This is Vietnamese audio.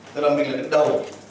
tức là mình là lực đầu